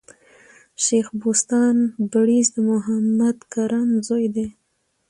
شېخ بُستان بړیځ د محمد کرم زوی دﺉ.